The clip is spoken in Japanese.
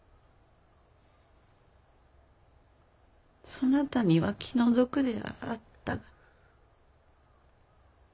そなたには気の毒であった。